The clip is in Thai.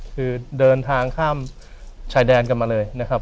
คือเดินทางข้ามชายแดนกันมาเลยนะครับ